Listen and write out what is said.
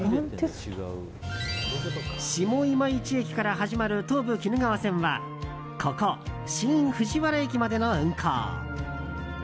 下今市駅から始まる東武鬼怒川線はここ、新藤原駅までの運行。